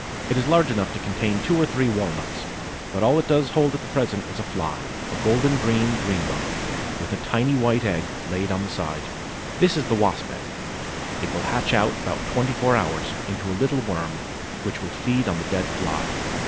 It is large enough to contain two or three walnuts; but all it does hold at present is a Fly, a golden green Greenbottle, with a tiny white egg laid on the side. This is the Wasp's egg. It will hatch out in about twenty four hours, into a little worm, which will feed on the dead Fly.